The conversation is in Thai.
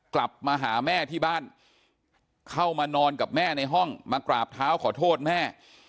กลับมาหาแม่ที่บ้านเข้ามานอนกับแม่ในห้องมากราบเท้าขอโทษแม่